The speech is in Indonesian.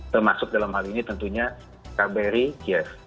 termasuk dalam hal ini tentunya kbri kiev